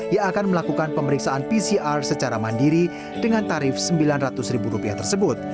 yang akan melakukan pemeriksaan pcr secara mandiri dengan tarif rp sembilan ratus tersebut